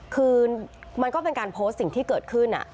คือมันก็เป็นการโพสต์สิ่งที่เกิดขึ้น